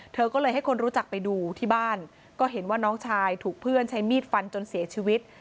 เธอก็เลยให้คนรู้จักไปดูที่บ้านก็เห็นว่าน้องชายถูกเพื่อนใช้มีดฟันจนเสียชีวิต